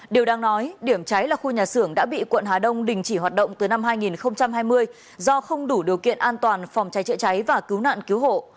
điều đang nói điểm cháy là khu nhà xưởng đã bị quận hà đông đình chỉ hoạt động từ năm hai nghìn hai mươi do không đủ điều kiện an toàn phòng cháy chữa cháy và cứu nạn cứu hộ